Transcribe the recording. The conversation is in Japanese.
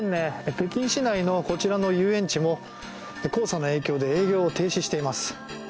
北京市内のこちらの遊園地も黄砂の影響で営業を停止しています。